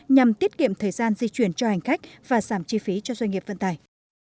nhằm tiết kiệm thời gian di chuyển cho hành khách và giảm chi phí cho doanh nghiệp vận tải